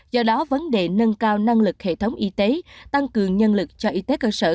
do đó vấn đề nâng cao năng lực hệ thống y tế tăng cường nhân lực cho y tế cơ sở